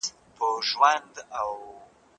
ته دي لوګى سمه زه